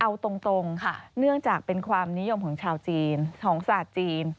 เอาตรงค่ะเนื่องจากเป็นความนิยมของชาวจีนของศาสตร์จีน